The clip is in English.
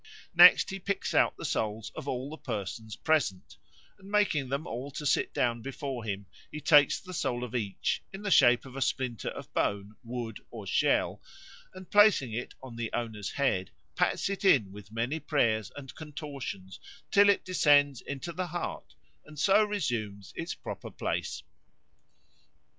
Next he picks out the souls of all the persons present, and making them all to sit down before him, he takes the soul of each, in the shape of a splinter of bone, wood, or shell, and placing it on the owner's head, pats it with many prayers and contortions till it descends into the heart and so resumes its proper place.